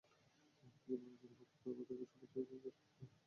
এমনকি ব্রাজিলের পতাকার সবুজের জায়গায় লাল লাগিয়ে পতাকা বানিয়ে এনেছে এরা।